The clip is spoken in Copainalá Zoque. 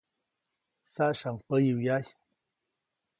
Saʼsyaʼuŋ päyi wyajy.